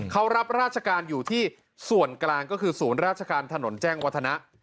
เขารับราชการอยู่ที่ส่วนกลางก็คือศูนย์ราชการถนนแจ้งวัฒนะ